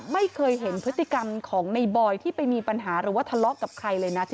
ไม่เคยเห็นพฤติกรรมของในบอยที่ไปมีปัญหาหรือว่าทะเลาะกับใครเลยนะ